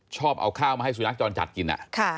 ชอบเอาข้าวมาให้สุนัขจรจัดกิน